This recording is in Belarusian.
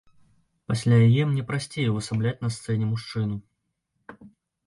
Пасля яе мне прасцей увасабляць на сцэне мужчыну.